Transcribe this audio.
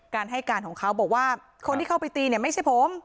การให้การของเขาบอกว่าคนที่เข้าไปตีเนี่ยไม่ใช่ผม